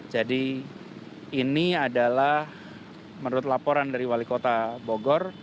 jadi ini adalah menurut laporan dari wali kota bogor